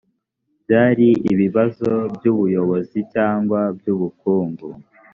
byari ibibazo by ubuyobozi cyangwa by ubukungu